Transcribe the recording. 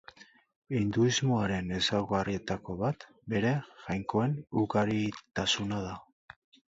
Hinduismoaren ezaugarrietako bat bere jainkoen ugaritasuna da.